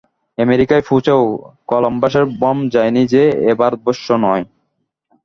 আমেরিকায় পৌঁছেও কলম্বাসের ভ্রম যায়নি যে, এ ভারতবর্ষ নয়।